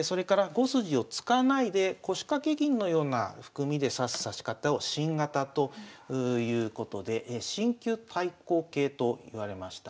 ５筋を突かないで腰掛け銀のような含みで指す指し方を新型ということで新旧対抗形といわれました。